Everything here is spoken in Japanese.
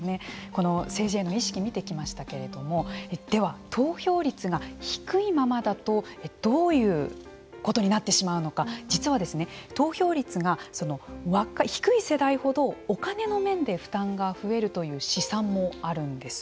この政治への意識を見てきましたけれどもでは、投票率が低いままだとどういうことになってしまうのか実は投票率が低い世代ほどお金の面で負担が増えるという試算もあるんです。